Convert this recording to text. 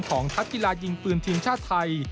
ของทัศน์กีฬายิ่งปืนทีมชาติไทย